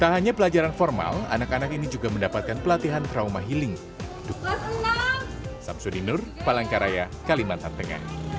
tak hanya pelajaran formal anak anak ini juga mendapatkan pelatihan trauma healing